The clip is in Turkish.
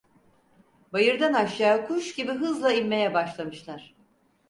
Bayırdan aşağı kuş gibi hızla inmeye başlamışlar.